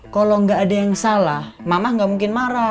kalo gak ada yang salah mama gak mungkin marah